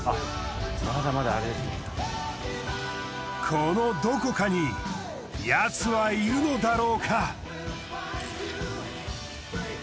このどこかにヤツはいるのだろうか。